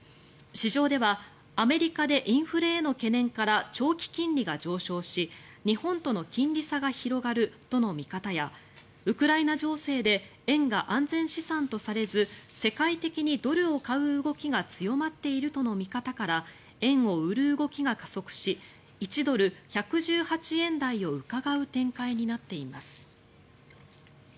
市場ではアメリカでインフレへの懸念から長期金利が上昇し日本との金利差が広がるとの見方やウクライナ情勢で円が安全資産とされず世界的にドルを買う動きが強まっているとの見方から円を売る動きが加速し１ドル＝１１８円台をうかがう展開になっています。